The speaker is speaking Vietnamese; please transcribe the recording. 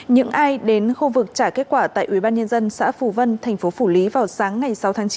những ai đến khu vực trả kết quả tại ubnd xã phù vân thành phố phủ lý vào sáng ngày sáu tháng chín